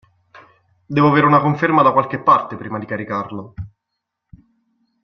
Devo avere una conferma da qualche parte prima di caricarlo.